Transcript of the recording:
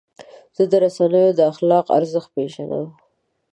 زه د رسنیو د اخلاقو ارزښت پیژنم.